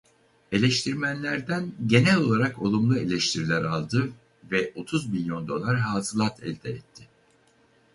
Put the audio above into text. Eleştirmenlerden genel olarak olumlu eleştiriler aldı ve otuz milyon dolar hasılat elde etti.